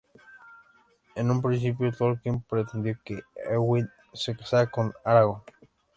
En un principio, Tolkien pretendió que Éowyn se casara con Aragorn.